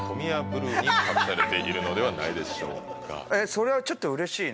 それはちょっとうれしいな。